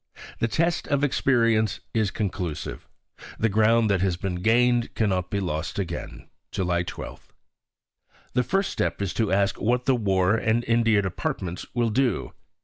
The test of experience is conclusive. The ground that has been gained cannot be lost again. July 12.... The first step is to ask what the War and India departments will do.